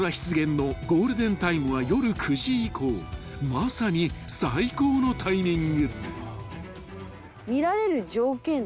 ［まさに最高のタイミング］